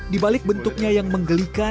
di balik bentuknya yang menggelikan